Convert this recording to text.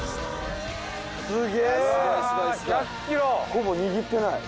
ほぼ握ってない。